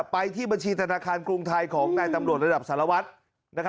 ไปที่บัญชีธนาคารกรุงไทยของนายตำรวจระดับสารวัตร